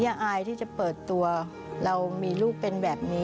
อายที่จะเปิดตัวเรามีลูกเป็นแบบนี้